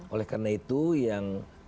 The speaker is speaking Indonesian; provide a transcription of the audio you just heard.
oleh karena itu yang